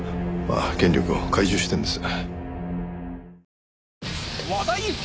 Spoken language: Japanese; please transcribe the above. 権力を懐柔してるんです。